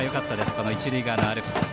この一塁側のアルプス。